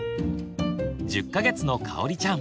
１０か月のかおりちゃん。